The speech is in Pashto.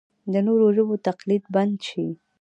د نورو ژبو تقلید دې بند شي.